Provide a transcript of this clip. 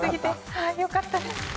はいよかったです